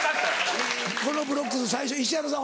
このブロックの最初石原さん